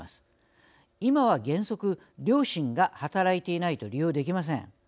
今は原則両親が働いていないと利用できません。